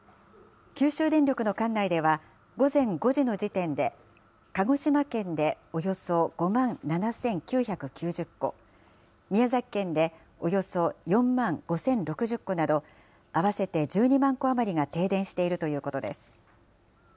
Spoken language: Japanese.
九州電力の管内では、午前５時の時点で鹿児島県でおよそ５万７９９０戸、宮崎県でおよそ４万５０６０戸など、合わせて１２万戸余りが停電しているということです。